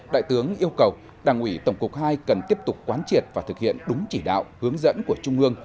đại tướng yêu cầu đảng ủy tổng cục ii cần tiếp tục quán triệt và thực hiện đúng chỉ đạo hướng dẫn của trung ương